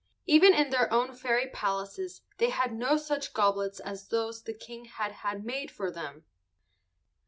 Even in their own fairy palaces they had no such goblets as those the King had had made for them.